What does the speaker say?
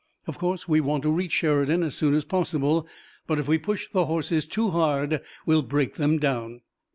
"Of course, we want to reach Sheridan as soon as possible, but if we push the horses too hard we'll break them down."